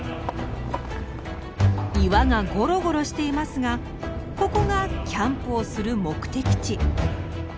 岩がゴロゴロしていますがここがキャンプをする目的地。